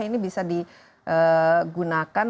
ini bisa digunakan